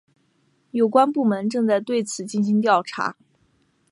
有关部门正在对此进行调查。